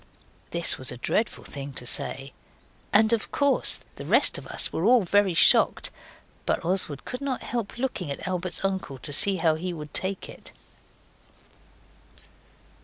This was a dreadful thing to say, and of course the rest of us were all very shocked. But Oswald could not help looking at Albert's uncle to see how he would take it.